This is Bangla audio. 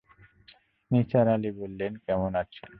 নিসার আলি বললেন, কেমন আছেন?